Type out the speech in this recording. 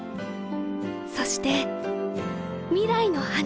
そして未来の話を